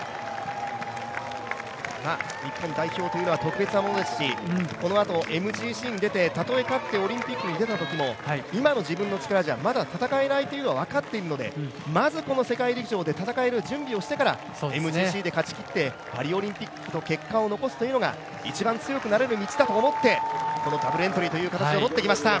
日本代表というのは特別なものですし、このあとＭＧＣに出て、たとえ勝ってオリンピックに出たときも今の自分の力じゃまだ戦えないというのは分かっているので、まずこの世界陸上で戦える準備をして、ＭＧＣで勝ちきってパリオリンピックで結果を残すというのが一番強くなれる道だと思ってこのダブルエントリーという形をとってきました。